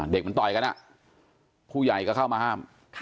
เด็กมันต่อยกันผู้ใหญ่ก็เข้ามาห้าม